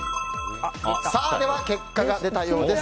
では、結果が出たようです。